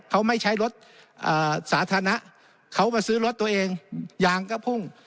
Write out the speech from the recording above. เขาไม่ใช้รถสาธารณะเขามาซื้อรถตัวเองยางก็พุ่ง